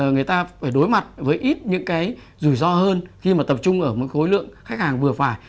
người ta phải đối mặt với ít những cái rủi ro hơn khi mà tập trung ở một khối lượng khách hàng vừa phải